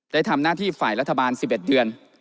ได้ทำหน้าที่ฝ่ายรัฐบาล๑๑เดือน